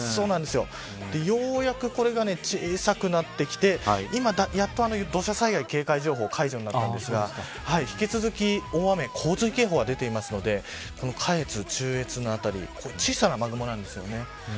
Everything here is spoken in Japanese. ようやくこれが小さくなってきて今、やっと土砂災害警戒情報が解除になったんですが引き続き大雨洪水警報が出ているのでこの下越、中越の辺り小さな雨雲なんですよね。